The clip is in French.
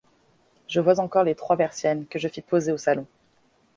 Je vois encore les trois persiennes que je fis poser au salon.